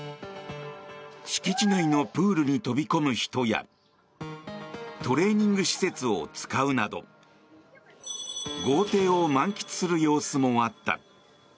敷地内のプールに飛び込む人やトレーニング施設を使うなど豪邸を満喫する様子もあった。